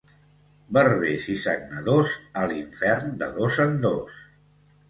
Barbers i sagnadors, a l'infern de dos en dos.